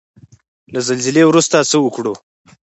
له زلزلې وروسته څه وکړو؟